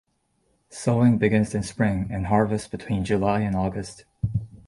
Sowing begins in spring and harvest between July and August.